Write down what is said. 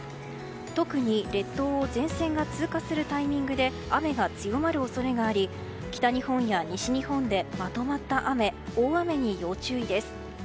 特に列島を前線が追加するタイミングで雨が強まる恐れがあり北日本や西日本でまとまった雨、大雨に要注意です。